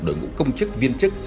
đội ngũ công chức viên chức